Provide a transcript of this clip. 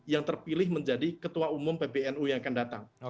yang terpilih menjadi ketua umum pbnu yang akan datang